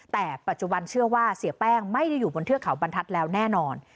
แต่ปัจจุบันเชื่อว่าเสียแป้งไม่ได้อยู่บนเทือกเขาบรรทัศน์แล้วแน่นอน